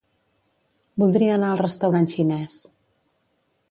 Voldria anar al restaurant xinès.